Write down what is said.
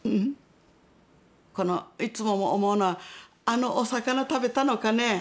いつも思うのはあのお魚を食べたのかね。